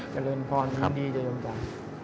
เจริญพรยุ่งดีเจ้าหญิงจา